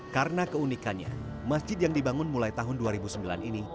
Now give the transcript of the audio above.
karena keunikannya masjid yang dibangun mulai tahun dua ribu sembilan ini